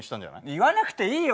言わなくていいよ